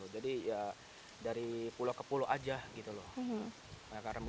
jadi dari pulau ke pulau saja